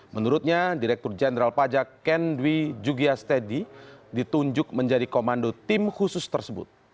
menurutnya direktur jenderal pajak ken dwi jugiastedi ditunjuk menjadi komando tim khusus tersebut